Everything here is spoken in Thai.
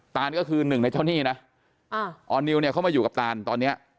ตานก็คือหนึ่งในเจ้าหนี้นะออร์นิวเนี่ยเขามาอยู่กับตานตอนเนี้ย